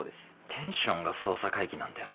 テンションが捜査会議なんだよな。